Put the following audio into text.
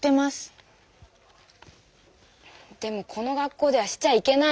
でもこの学校ではしちゃいけないの。